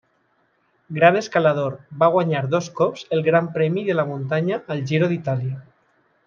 Gran escalador, va guanyar dos cops el Gran Premi de la muntanya al Giro d'Itàlia.